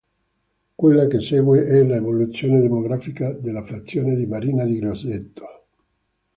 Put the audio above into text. Quella che segue è l'evoluzione demografica della frazione di Marina di Grosseto.